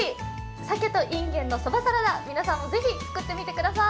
鮭といんげんのそばサラダ、皆さんも是非、作ってみてください。